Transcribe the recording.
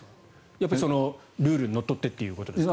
やっぱりルールにのっとってということですか？